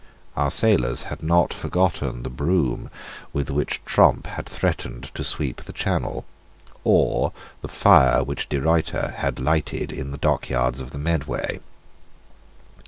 Our sailors had not forgotten the broom with which Tromp had threatened to sweep the Channel, or the fire which De Ruyter had lighted in the dockyards of the Medway.